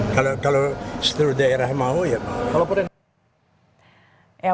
kalau seluruh daerah mau ya pak